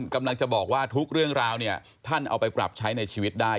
กำลังจะบอกว่าทุกเรื่องราวเนี่ยท่านเอาไปปรับใช้ในชีวิตได้